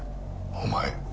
お前